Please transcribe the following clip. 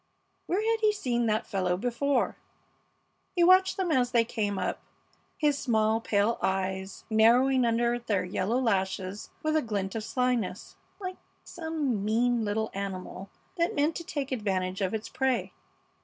Where had he seen that fellow before? He watched them as they came up, his small, pale eyes narrowing under their yellow lashes with a glint of slyness, like some mean little animal that meant to take advantage of its prey.